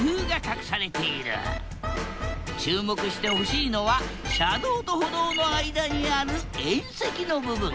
注目してほしいのは車道と歩道の間にある縁石の部分。